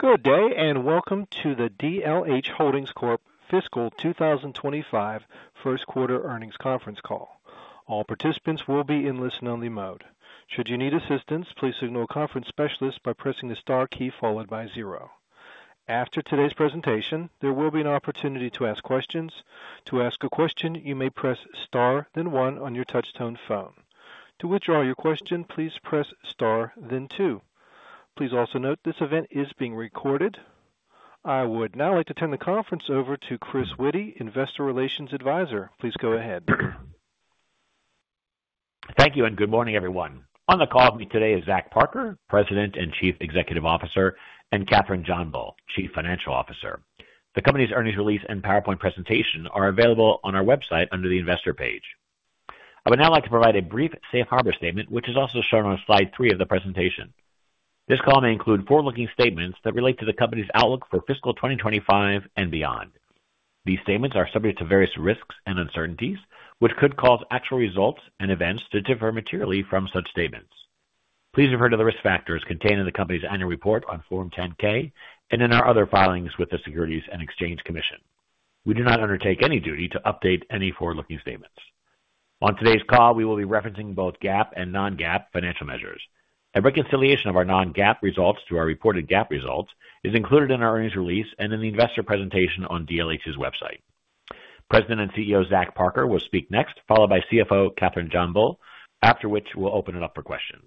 Good day, and welcome to the DLH Holdings Corp. Fiscal 2025 First Quarter Earnings Conference Call. All participants will be in listen-only mode. Should you need assistance, please signal a conference specialist by pressing the star key followed by zero. After today's presentation, there will be an opportunity to ask questions. To ask a question, you may press star, then one on your touchtone phone. To withdraw your question, please press star, then two. Please also note this event is being recorded. I would now like to turn the conference over to Chris Witty, Investor Relations Advisor. Please go ahead. Thank you, and good morning, everyone. On the call with me today is Zach Parker, President and Chief Executive Officer, and Kathryn JohnBull, Chief Financial Officer. The company's earnings release and PowerPoint presentation are available on our website under the investor page. I would now like to provide a brief safe harbor statement, which is also shown on slide three of the presentation. This call may include forward-looking statements that relate to the company's outlook for fiscal 2025 and beyond. These statements are subject to various risks and uncertainties, which could cause actual results and events to differ materially from such statements. Please refer to the risk factors contained in the company's annual report on Form 10-K and in our other filings with the Securities and Exchange Commission. We do not undertake any duty to update any forward-looking statements. On today's call, we will be referencing both GAAP and non-GAAP financial measures. A reconciliation of our non-GAAP results to our reported GAAP results is included in our earnings release and in the investor presentation on DLH's website. President and CEO Zach Parker will speak next, followed by CFO Kathryn JohnBull, after which we'll open it up for questions.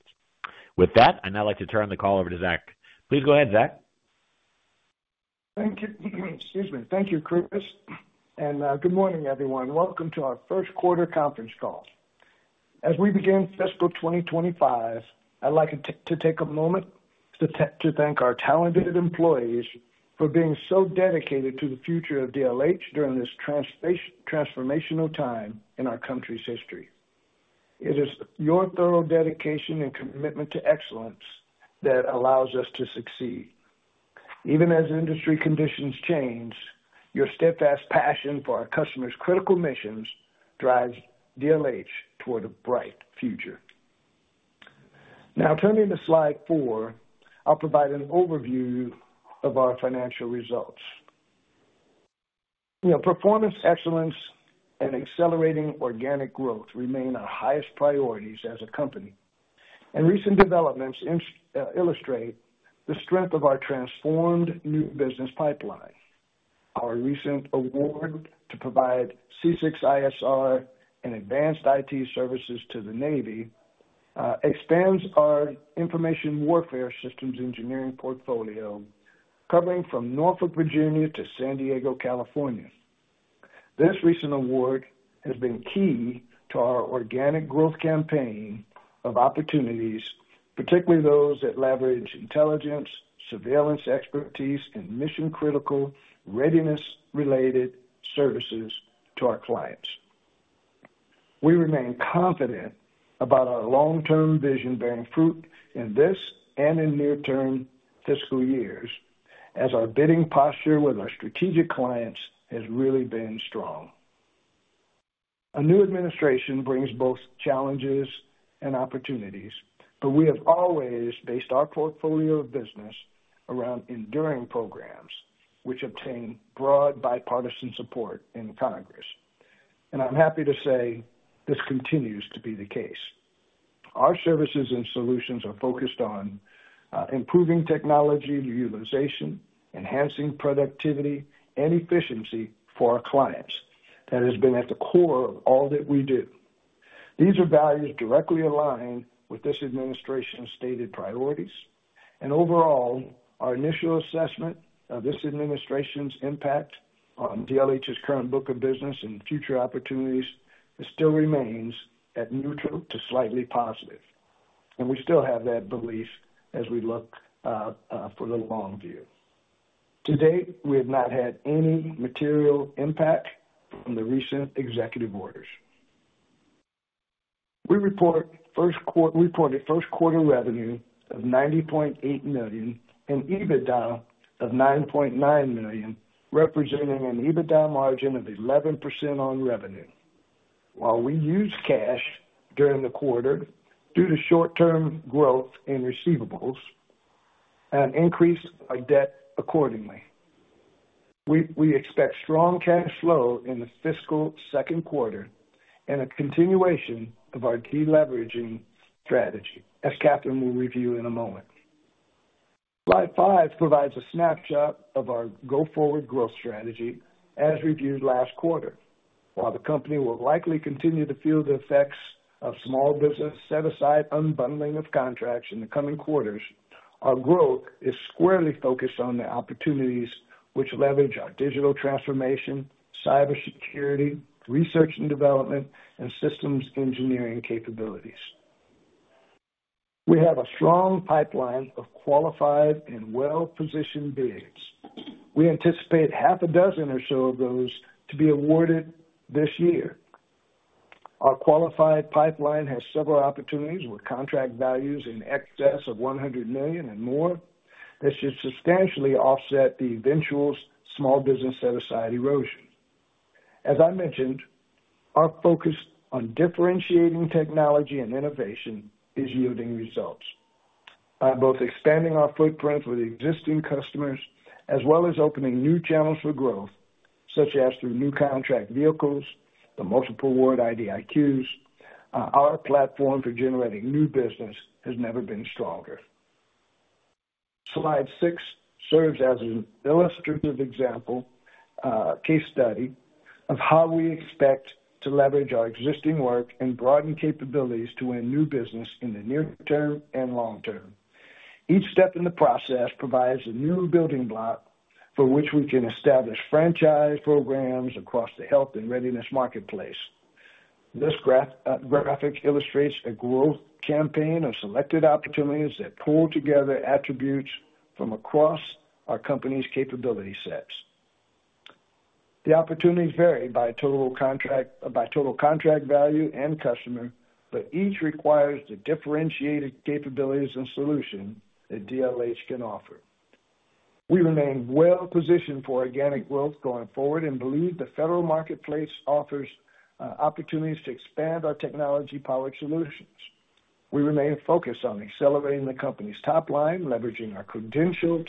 With that, I'd now like to turn the call over to Zach. Please go ahead, Zach. Thank you. Excuse me. Thank you, Chris. And good morning, everyone. Welcome to our First Quarter Conference Call. As we begin fiscal 2025, I'd like to take a moment to thank our talented employees for being so dedicated to the future of DLH during this transformational time in our country's history. It is your thorough dedication and commitment to excellence that allows us to succeed. Even as industry conditions change, your steadfast passion for our customers' critical missions drives DLH toward a bright future. Now, turning to slide four, I'll provide an overview of our financial results. Performance, excellence, and accelerating organic growth remain our highest priorities as a company. Recent developments illustrate the strength of our transformed new business pipeline. Our recent award to provide C6ISR and advanced IT services to the Navy expands our information warfare systems engineering portfolio, covering from Norfolk, Virginia, to San Diego, California. This recent award has been key to our organic growth campaign of opportunities, particularly those that leverage intelligence, surveillance expertise, and mission-critical readiness-related services to our clients. We remain confident about our long-term vision bearing fruit in this and in near-term fiscal years, as our bidding posture with our strategic clients has really been strong. A new administration brings both challenges and opportunities, but we have always based our portfolio of business around enduring programs, which obtain broad bipartisan support in Congress. I'm happy to say this continues to be the case. Our services and solutions are focused on improving technology utilization, enhancing productivity, and efficiency for our clients. That has been at the core of all that we do. These are values directly aligned with this administration's stated priorities. Overall, our initial assessment of this administration's impact on DLH's current book of business and future opportunities still remains at neutral to slightly positive. We still have that belief as we look for the long view. To date, we have not had any material impact from the recent executive orders. We reported first-quarter revenue of $90.8 million and EBITDA of $9.9 million, representing an EBITDA margin of 11% on revenue. While we used cash during the quarter due to short-term growth in receivables, we increased our debt accordingly. We expect strong cash flow in the fiscal second quarter and a continuation of our key leveraging strategy, as Kathryn will review in a moment. Slide five provides a snapshot of our go-forward growth strategy as reviewed last quarter. While the company will likely continue to feel the effects of small business set-aside unbundling of contracts in the coming quarters, our growth is squarely focused on the opportunities which leverage our digital transformation, cybersecurity, research and development, and systems engineering capabilities. We have a strong pipeline of qualified and well-positioned bids. We anticipate half a dozen or so of those to be awarded this year. Our qualified pipeline has several opportunities with contract values in excess of $100 million and more that should substantially offset the eventual small business set-aside erosion. As I mentioned, our focus on differentiating technology and innovation is yielding results. By both expanding our footprint with existing customers as well as opening new channels for growth, such as through new contract vehicles, the multiple award IDIQs, our platform for generating new business has never been stronger. Slide six serves as an illustrative example, case study of how we expect to leverage our existing work and broaden capabilities to win new business in the near term and long term. Each step in the process provides a new building block for which we can establish franchise programs across the health and readiness marketplace. This graphic illustrates a growth campaign of selected opportunities that pull together attributes from across our company's capability sets. The opportunities vary by total contract value and customer, but each requires the differentiated capabilities and solutions that DLH can offer. We remain well-positioned for organic growth going forward and believe the federal marketplace offers opportunities to expand our technology-powered solutions. We remain focused on accelerating the company's top line, leveraging our credentialed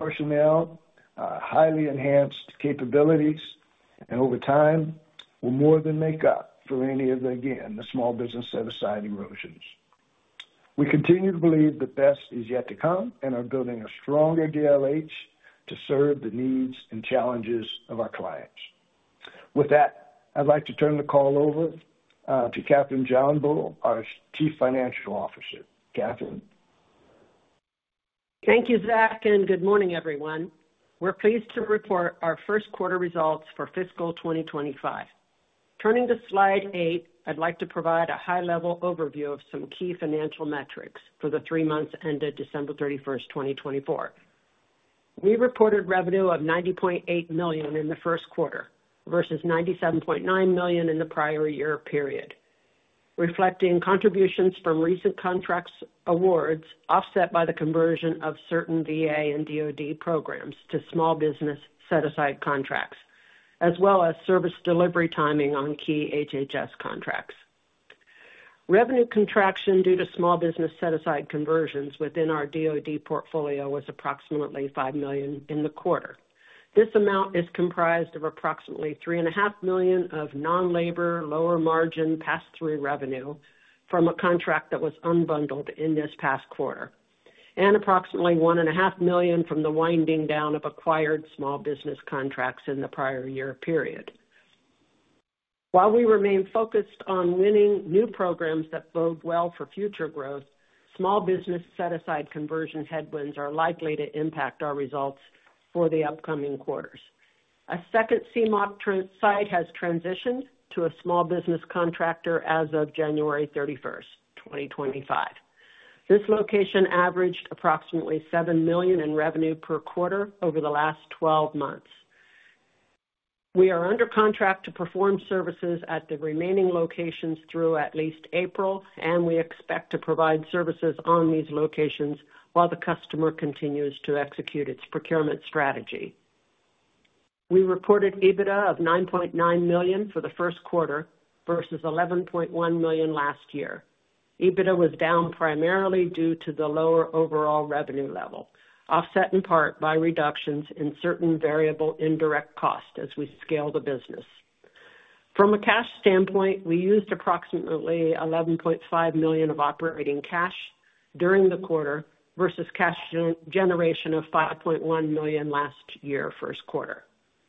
personnel, highly enhanced capabilities, and over time, we'll more than make up for any of, again, the small business set-aside erosions. We continue to believe the best is yet to come and are building a stronger DLH to serve the needs and challenges of our clients. With that, I'd like to turn the call over to Kathryn JohnBull, our Chief Financial Officer. Kathryn. Thank you, Zach, and good morning, everyone. We're pleased to report our first-quarter results for fiscal 2025. Turning to slide eight, I'd like to provide a high-level overview of some key financial metrics for the three months ended December 31, 2024. We reported revenue of $90.8 million in the first quarter versus $97.9 million in the prior year period, reflecting contributions from recent contract awards offset by the conversion of certain VA and DoD programs to small business set-aside contracts, as well as service delivery timing on key HHS contracts. Revenue contraction due to small business set-aside conversions within our DoD portfolio was approximately $5 million in the quarter. This amount is comprised of approximately $3.5 million of non-labor, lower-margin, pass-through revenue from a contract that was unbundled in this past quarter, and approximately $1.5 million from the winding down of acquired small business contracts in the prior year period. While we remain focused on winning new programs that bode well for future growth, small business set-aside conversion headwinds are likely to impact our results for the upcoming quarters. A second CMOP site has transitioned to a small business contractor as of January 31, 2025. This location averaged approximately $7 million in revenue per quarter over the last 12 months. We are under contract to perform services at the remaining locations through at least April, and we expect to provide services on these locations while the customer continues to execute its procurement strategy. We reported EBITDA of $9.9 million for the first quarter versus $11.1 million last year. EBITDA was down primarily due to the lower overall revenue level, offset in part by reductions in certain variable indirect costs as we scale the business. From a cash standpoint, we used approximately $11.5 million of operating cash during the quarter versus cash generation of $5.1 million last year, first quarter.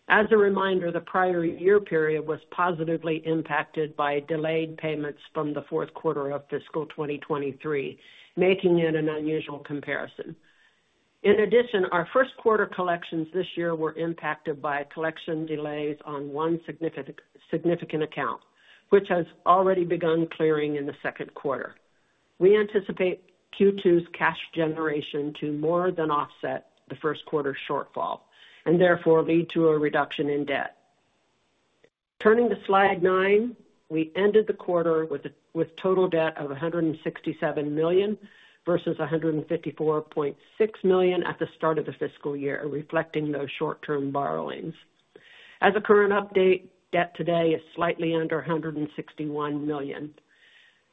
As a reminder, the prior year period was positively impacted by delayed payments from the fourth quarter of fiscal 2023, making it an unusual comparison. In addition, our first-quarter collections this year were impacted by collection delays on one significant account, which has already begun clearing in the second quarter. We anticipate Q2's cash generation to more than offset the first-quarter shortfall and therefore lead to a reduction in debt. Turning to slide nine, we ended the quarter with total debt of $167 million versus $154.6 million at the start of the fiscal year, reflecting those short-term borrowings. As a current update, debt today is slightly under $161 million.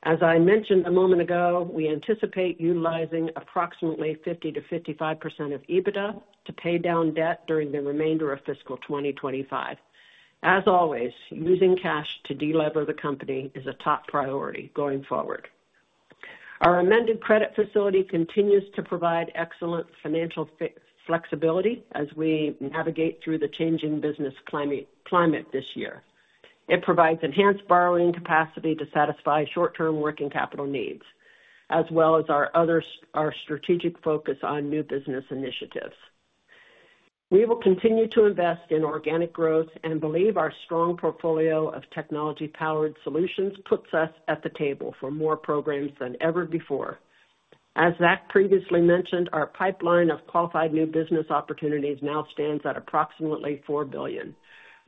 As I mentioned a moment ago, we anticipate utilizing approximately 50-55% of EBITDA to pay down debt during the remainder of fiscal 2025. As always, using cash to delever the company is a top priority going forward. Our amended credit facility continues to provide excellent financial flexibility as we navigate through the changing business climate this year. It provides enhanced borrowing capacity to satisfy short-term working capital needs, as well as our strategic focus on new business initiatives. We will continue to invest in organic growth and believe our strong portfolio of technology-powered solutions puts us at the table for more programs than ever before. As Zach previously mentioned, our pipeline of qualified new business opportunities now stands at approximately $4 billion,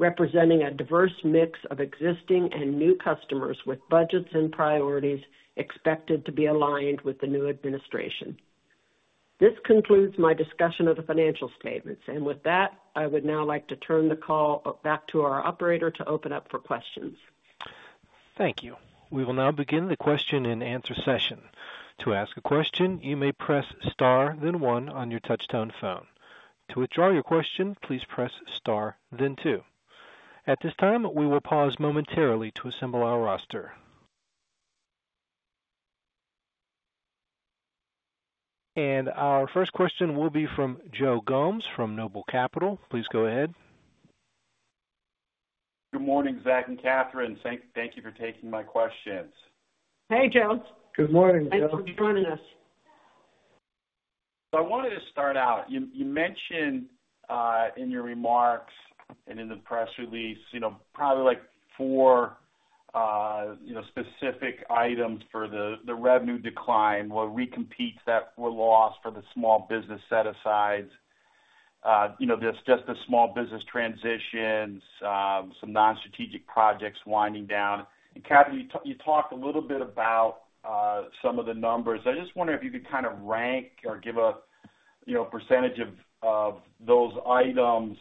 representing a diverse mix of existing and new customers with budgets and priorities expected to be aligned with the new administration. This concludes my discussion of the financial statements. With that, I would now like to turn the call back to our operator to open up for questions. Thank you. We will now begin the question and answer session. To ask a question, you may press star, then one on your touch-tone phone. To withdraw your question, please press star, then two. At this time, we will pause momentarily to assemble our roster. Our first question will be from Joe Gomes from Noble Capital. Please go ahead. Good morning, Zach and Kathryn. Thank you for taking my questions. Hey, Joe. Good morning, Joe. Thanks for joining us. I wanted to start out. You mentioned in your remarks and in the press release, probably like four specific items for the revenue decline, what recompetes that were lost for the small business set-asides, just the small business transitions, some non-strategic projects winding down. Kathryn, you talked a little bit about some of the numbers. I just wonder if you could kind of rank or give a percentage of those items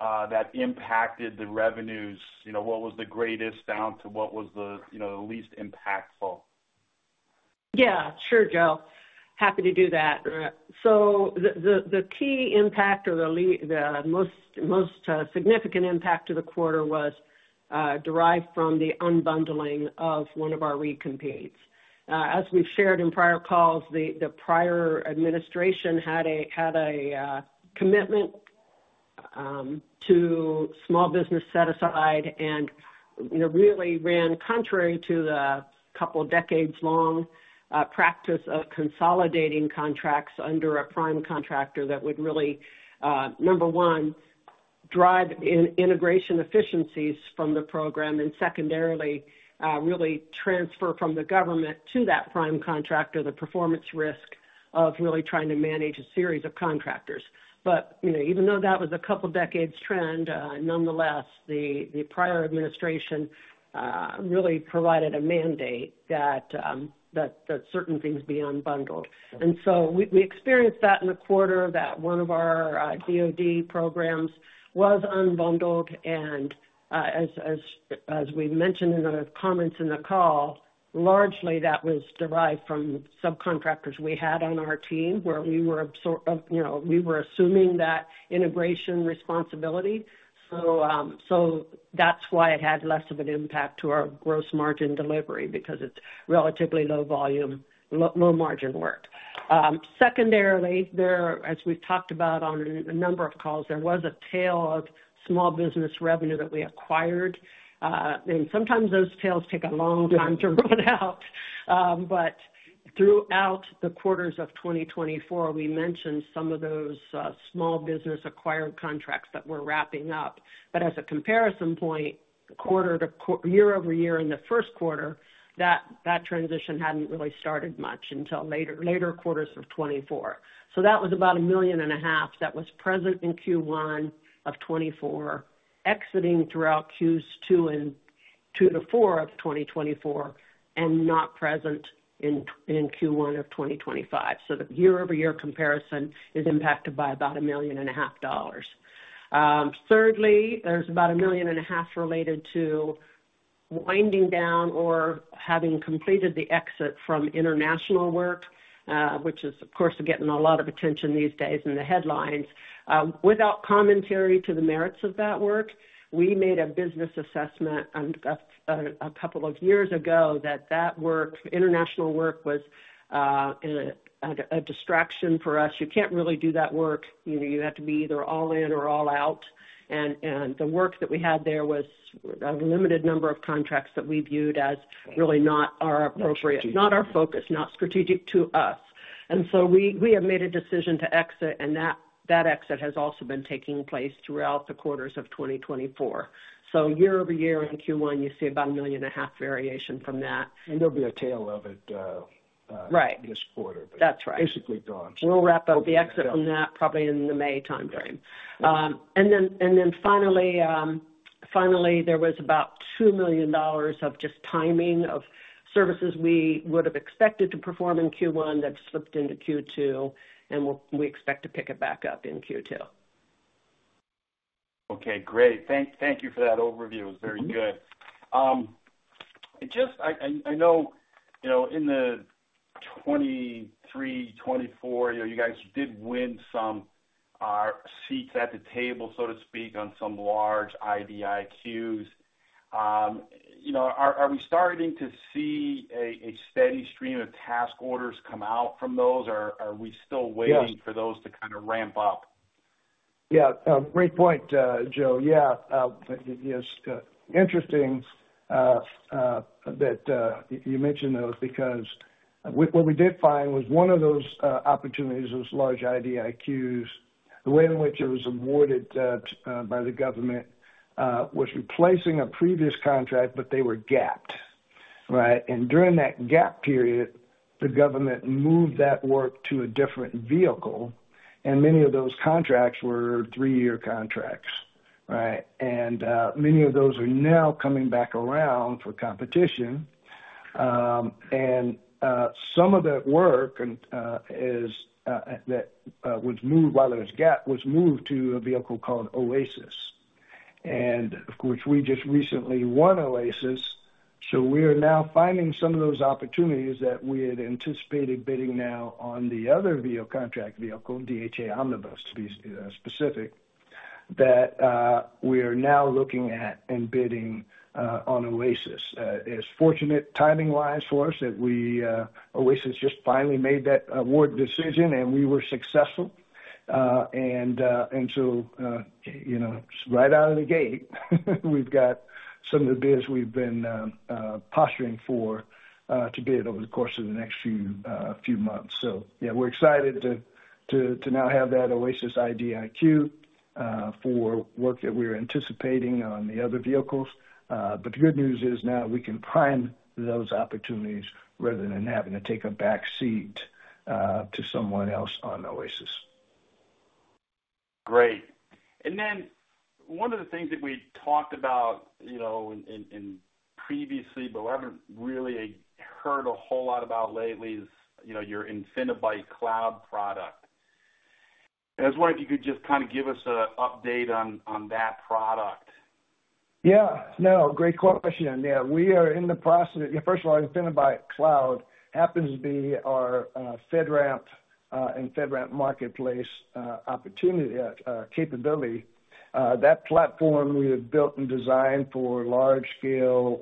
that impacted the revenues. What was the greatest down to what was the least impactful? Yeah, sure, Joe. Happy to do that. The key impact or the most significant impact of the quarter was derived from the unbundling of one of our recompetes. As we've shared in prior calls, the prior administration had a commitment to small business set-aside and really ran contrary to the couple of decades-long practice of consolidating contracts under a prime contractor that would really, number one, drive integration efficiencies from the program and secondarily really transfer from the government to that prime contractor the performance risk of really trying to manage a series of contractors. Even though that was a couple of decades' trend, nonetheless, the prior administration really provided a mandate that certain things be unbundled. We experienced that in the quarter that one of our DoD programs was unbundled. As we mentioned in the comments in the call, largely that was derived from subcontractors we had on our team where we were assuming that integration responsibility. That is why it had less of an impact to our gross margin delivery because it is relatively low volume, low margin work. Secondarily, as we have talked about on a number of calls, there was a tail of small business revenue that we acquired. Sometimes those tails take a long time to run out. Throughout the quarters of 2024, we mentioned some of those small business acquired contracts that we are wrapping up. As a comparison point, year-over-year in the first quarter, that transition had not really started much until later quarters of 2024. That was about $1.5 million that was present in Q1 of 2024, exiting throughout Q2 and Q2 to Q4 of 2024, and not present in Q1 of 2025. The year-over-year comparison is impacted by about $1.5 million. Thirdly, there's about $1.5 million related to winding down or having completed the exit from international work, which is, of course, getting a lot of attention these days in the headlines. Without commentary to the merits of that work, we made a business assessment a couple of years ago that that work, international work, was a distraction for us. You can't really do that work. You have to be either all in or all out. The work that we had there was a limited number of contracts that we viewed as really not our appropriate, not our focus, not strategic to us. We have made a decision to exit, and that exit has also been taking place throughout the quarters of 2024. Year-over-year in Q1, you see about $1.5 million variation from that. There'll be a tail of it this quarter. Right. That's right. Basically gone. We'll wrap up the exit from that probably in the May timeframe. Finally, there was about $2 million of just timing of services we would have expected to perform in Q1 that slipped into Q2, and we expect to pick it back up in Q2. Okay, great. Thank you for that overview. It was very good. I know in the 2023, 2024, you guys did win some seats at the table, so to speak, on some large IDIQs. Are we starting to see a steady stream of task orders come out from those? Are we still waiting for those to kind of ramp up? Yeah. Great point, Joe. Yeah. It's interesting that you mentioned those because what we did find was one of those opportunities was large IDIQs. The way in which it was awarded by the government was replacing a previous contract, but they were gapped, right? During that gap period, the government moved that work to a different vehicle. Many of those contracts were three-year contracts, right? Many of those are now coming back around for competition. Some of that work that was moved while it was gapped was moved to a vehicle called OASIS. Of course, we just recently won OASIS. We are now finding some of those opportunities that we had anticipated bidding now on the other contract vehicle, DHA Omnibus, to be specific, that we are now looking at and bidding on OASIS. It's fortunate timing-wise for us that OASIS just finally made that award decision, and we were successful. Right out of the gate, we've got some of the bids we've been posturing for to bid over the course of the next few months. Yeah, we're excited to now have that OASIS IDIQ for work that we're anticipating on the other vehicles. The good news is now we can prime those opportunities rather than having to take a back seat to someone else on OASIS. Great. One of the things that we talked about previously, but I haven't really heard a whole lot about lately, is your InfiniBite Cloud product. I just wonder if you could just kind of give us an update on that product. Yeah. No, great question. Yeah. We are in the process. First of all, InfiniBite Cloud happens to be our FedRAMP and FedRAMP Marketplace capability. That platform we have built and designed for large-scale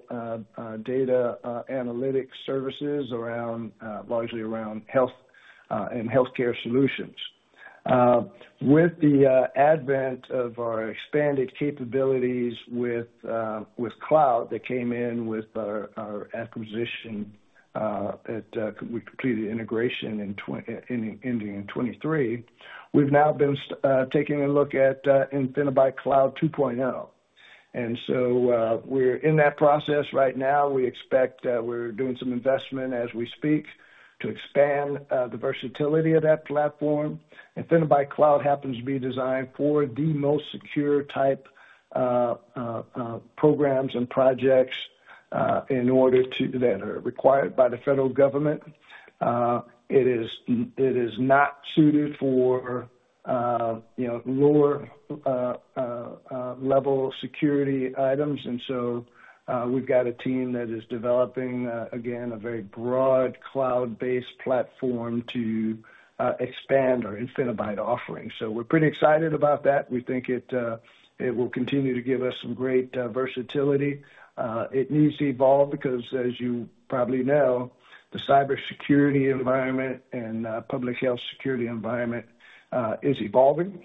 data analytics services largely around health and healthcare solutions. With the advent of our expanded capabilities with Cloud that came in with our acquisition that we completed integration in 2023, we've now been taking a look at InfiniBite Cloud 2.0. We are in that process right now. We expect that we're doing some investment as we speak to expand the versatility of that platform. InfiniBite Cloud happens to be designed for the most secure type programs and projects that are required by the federal government. It is not suited for lower-level security items. We've got a team that is developing, again, a very broad cloud-based platform to expand our InfiniBite offering. We're pretty excited about that. We think it will continue to give us some great versatility. It needs to evolve because, as you probably know, the cybersecurity environment and public health security environment is evolving.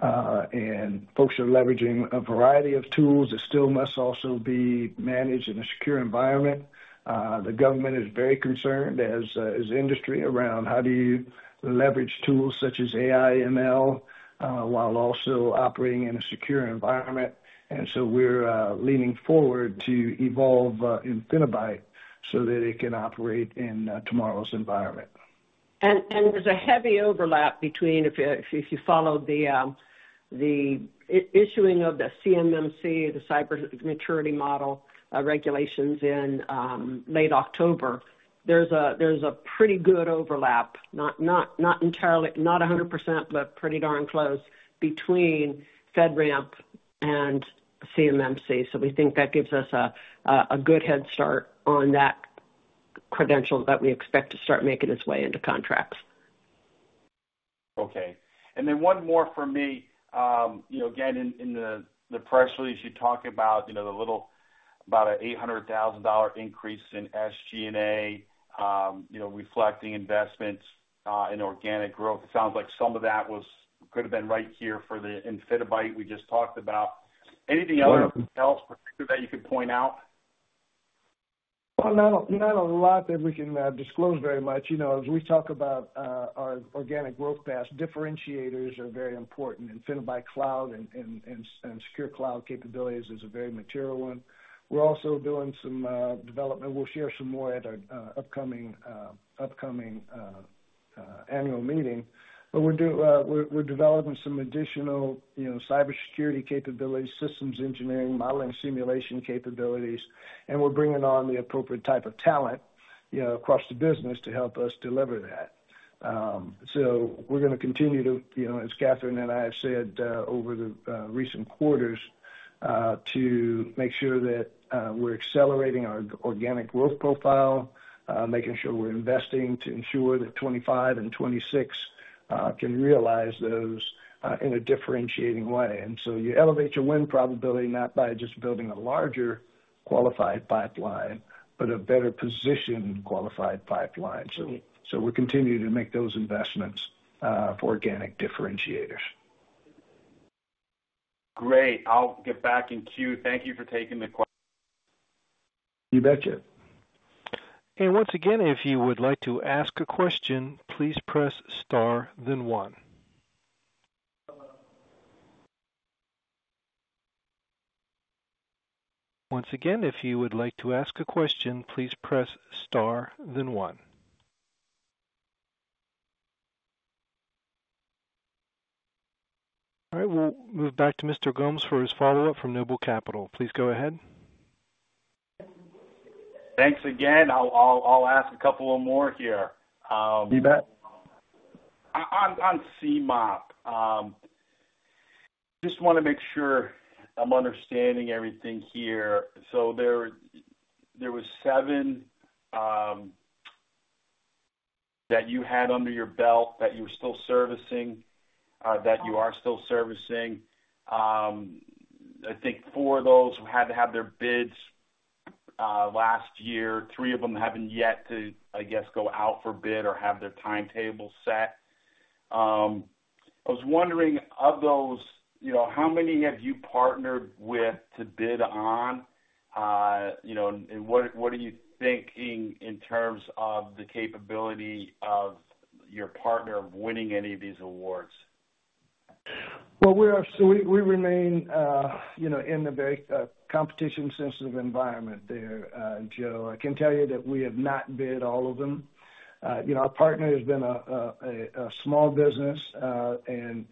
Folks are leveraging a variety of tools. It still must also be managed in a secure environment. The government is very concerned as industry around how do you leverage tools such as AIML while also operating in a secure environment. We're leaning forward to evolve InfiniBite so that it can operate in tomorrow's environment. There's a heavy overlap between, if you follow the issuing of the CMMC, the cyber maturity model regulations in late October, there's a pretty good overlap, not 100%, but pretty darn close between FedRAMP and CMMC. We think that gives us a good head start on that credential that we expect to start making its way into contracts. Okay. And then one more for me. Again, in the press release, you talk about an $800,000 increase in SG&A reflecting investments in organic growth. It sounds like some of that could have been right here for the InfiniBite we just talked about. Anything else that you could point out? Not a lot that we can disclose very much. As we talk about our organic growth path, differentiators are very important. InfiniBite Cloud and secure cloud capabilities is a very material one. We're also doing some development. We'll share some more at our upcoming annual meeting. We're developing some additional cybersecurity capabilities, systems engineering, modeling simulation capabilities, and we're bringing on the appropriate type of talent across the business to help us deliver that. We're going to continue to, as Kathryn and I have said over the recent quarters, make sure that we're accelerating our organic growth profile, making sure we're investing to ensure that 2025 and 2026 can realize those in a differentiating way. You elevate your win probability not by just building a larger qualified pipeline, but a better positioned qualified pipeline. We're continuing to make those investments for organic differentiators. Great. I'll get back in queue. Thank you for taking the call. You bet you. If you would like to ask a question, please press star, then one. If you would like to ask a question, please press star, then one. All right. We'll move back to Mr. Gomes for his follow-up from Noble Capital. Please go ahead. Thanks again. I'll ask a couple more here. You bet. On CMOP, just want to make sure I'm understanding everything here. There were seven that you had under your belt that you were still servicing, that you are still servicing. I think four of those had to have their bids last year. Three of them haven't yet to, I guess, go out for bid or have their timetable set. I was wondering, of those, how many have you partnered with to bid on? What are you thinking in terms of the capability of your partner winning any of these awards? We remain in a very competition-sensitive environment there, Joe. I can tell you that we have not bid all of them. Our partner has been a small business, and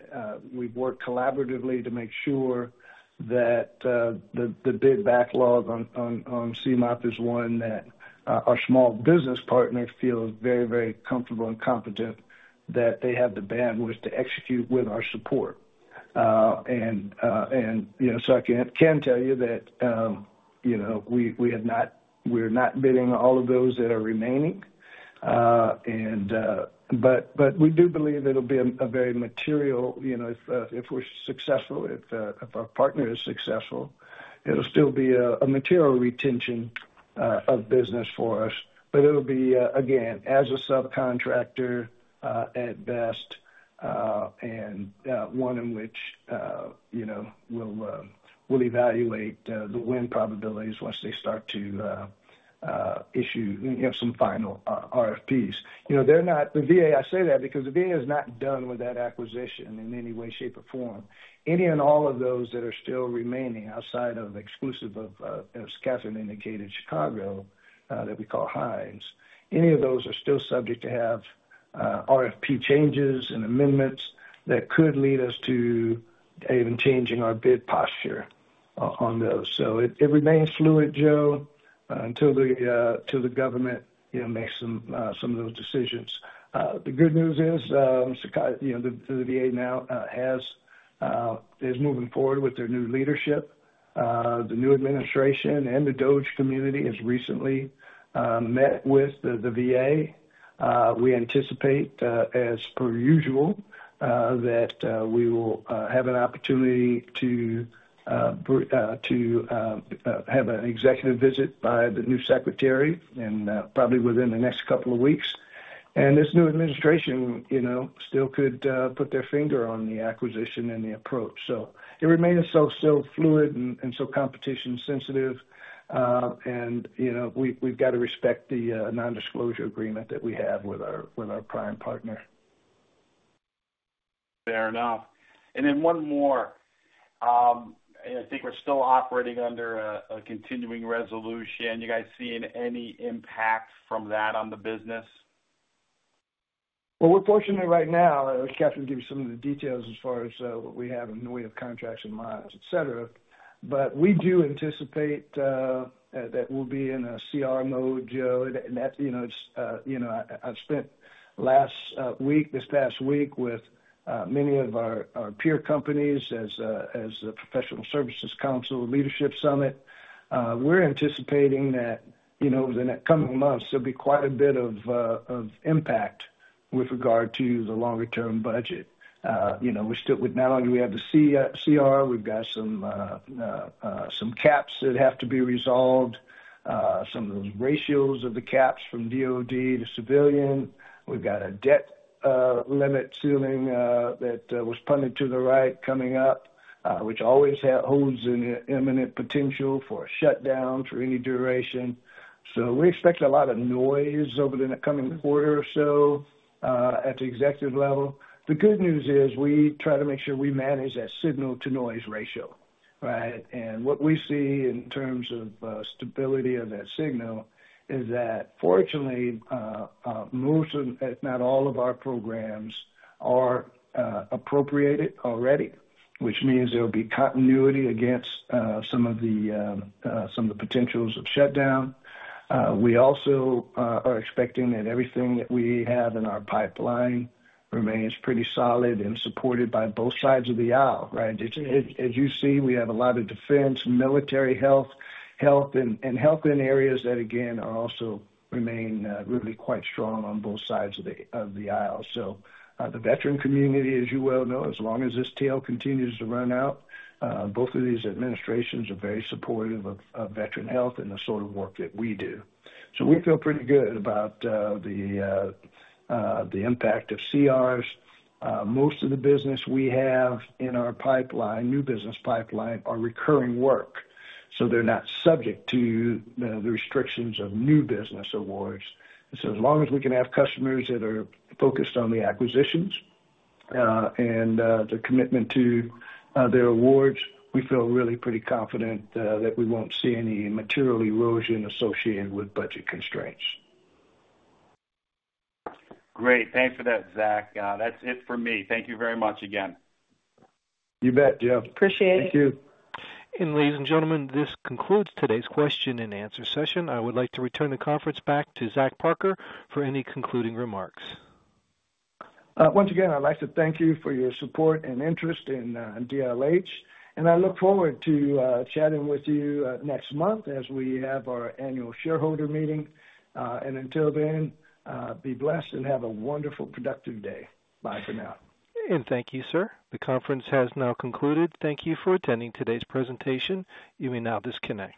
we've worked collaboratively to make sure that the bid backlog on CMOP is one that our small business partner feels very, very comfortable and competent that they have the bandwidth to execute with our support. I can tell you that we are not bidding all of those that are remaining. We do believe it'll be very material if we're successful, if our partner is successful. It'll still be a material retention of business for us. It'll be, again, as a subcontractor at best, and one in which we'll evaluate the win probabilities once they start to issue some final RFPs. The VA, I say that because the VA is not done with that acquisition in any way, shape, or form. Any and all of those that are still remaining outside of, exclusive of, as Kathryn indicated, Chicago, that we call Hines, any of those are still subject to have RFP changes and amendments that could lead us to even changing our bid posture on those. It remains fluid, Joe, until the government makes some of those decisions. The good news is the VA now is moving forward with their new leadership. The new administration and the DoD community have recently met with the VA. We anticipate, as per usual, that we will have an opportunity to have an executive visit by the new secretary probably within the next couple of weeks. This new administration still could put their finger on the acquisition and the approach. It remains still fluid and competition-sensitive. We have to respect the non-disclosure agreement that we have with our prime partner. Fair enough. One more. I think we're still operating under a continuing resolution. You guys seeing any impact from that on the business? We're fortunate right now. Kathryn gave you some of the details as far as what we have in the way of contracts and miles, etc. We do anticipate that we'll be in a CR mode, Joe. I spent last week, this past week, with many of our peer companies as a Professional Services Council leadership summit. We're anticipating that over the coming months, there'll be quite a bit of impact with regard to the longer-term budget. Not only do we have the CR, we've got some caps that have to be resolved, some of those ratios of the caps from DoD to civilian. We've got a debt limit ceiling that was punted to the right coming up, which always holds an imminent potential for a shutdown for any duration. We expect a lot of noise over the coming quarter or so at the executive level. The good news is we try to make sure we manage that signal-to-noise ratio, right? What we see in terms of stability of that signal is that, fortunately, most, if not all, of our programs are appropriated already, which means there'll be continuity against some of the potentials of shutdown. We also are expecting that everything that we have in our pipeline remains pretty solid and supported by both sides of the aisle, right? As you see, we have a lot of defense, military health, health, and health in areas that, again, also remain really quite strong on both sides of the aisle. The veteran community, as you well know, as long as this tail continues to run out, both of these administrations are very supportive of veteran health and the sort of work that we do. We feel pretty good about the impact of CRs. Most of the business we have in our pipeline, new business pipeline, are recurring work. They are not subject to the restrictions of new business awards. As long as we can have customers that are focused on the acquisitions and the commitment to their awards, we feel really pretty confident that we will not see any material erosion associated with budget constraints. Great. Thanks for that, Zach. That's it for me. Thank you very much again. You bet, Joe. Appreciate it. Thank you. Ladies and gentlemen, this concludes today's question and answer session. I would like to return the conference back to Zach Parker for any concluding remarks. Once again, I'd like to thank you for your support and interest in DLH. I look forward to chatting with you next month as we have our annual shareholder meeting. Until then, be blessed and have a wonderful, productive day. Bye for now. Thank you, sir. The conference has now concluded. Thank you for attending today's presentation. You may now disconnect.